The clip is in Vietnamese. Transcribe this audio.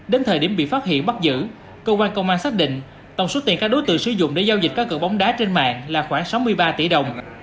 đến thời điểm bị phát hiện bắt giữ cơ quan công an xác định tổng số tiền các đối tượng sử dụng để giao dịch các cửa bóng đá trên mạng là khoảng sáu mươi ba tỷ đồng